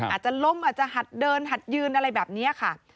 อาจจะล้มอาจจะหัดเดินหัดยืนอะไรแบบนี้ค่ะ